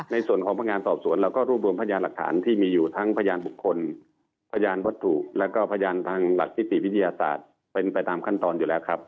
ในส่วนของพนักงานสอบสวนเราก็รวบรวมพยานหลักฐานที่มีอยู่ทั้งพยานบุคคลพยานวัตถุแล้วก็พยานทางหลักนิติวิทยาศาสตร์เป็นไปตามขั้นตอนอยู่แล้วครับ